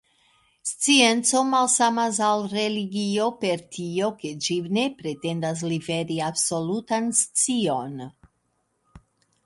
Scienco malsamas al religio, per tio, ke ĝi ne pretendas liveri absolutan scion.